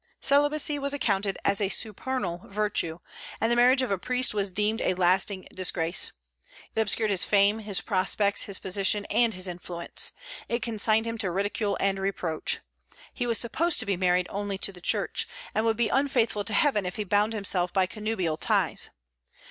Celibacy was accounted as a supernal virtue, and the marriage of a priest was deemed a lasting disgrace. It obscured his fame, his prospects, his position, and his influence; it consigned him to ridicule and reproach. He was supposed to be married only to the Church, and would be unfaithful to Heaven if he bound himself by connubial ties.